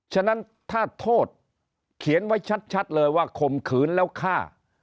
ฉะนั้นถ้าโทษเขียนไว้ชัดเลยว่าข่มขืนแล้วฆ่า